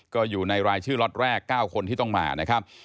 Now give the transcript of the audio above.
ก็อยู่ในรายชื่อล็อตแรก๙คนที่ต้องมานะครับ